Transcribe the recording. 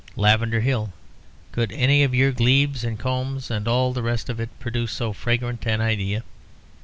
"Lavender Hill! Could any of your glebes and combes and all the rest of it produce so fragrant an idea?